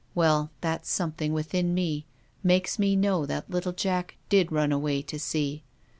Well, that something within me makes me know that little Jack did run away to sea.